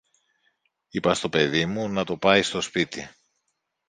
είπα στο παιδί μου να το πάει στο σπίτι.